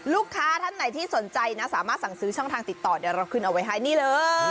ท่านไหนที่สนใจนะสามารถสั่งซื้อช่องทางติดต่อเดี๋ยวเราขึ้นเอาไว้ให้นี่เลย